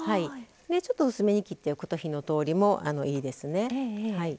薄めに切っておくと火の通りもいいですね。